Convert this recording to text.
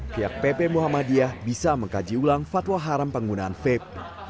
pihak pp muhammadiyah bisa mengkaji ulang fatwa haram penggunaan vape